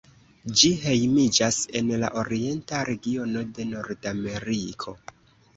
Ĝi hejmiĝas en la orienta regiono de Nordameriko.